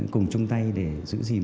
cùng chung tay để giữ gìn